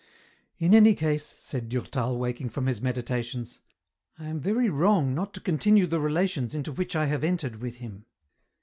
" In any case," said Durtal, waking from his medita tions, " I am very wrong not to continue the relations into which I have entered with him.